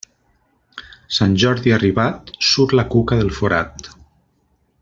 Sant Jordi arribat, surt la cuca del forat.